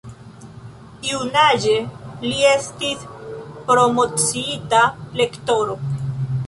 Junaĝe li estis promociita Lektoro.